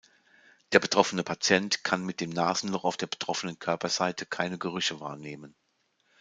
Der betroffene Patient kann mit dem Nasenloch auf der betroffenen Körperseite keine Gerüche wahrnehmen.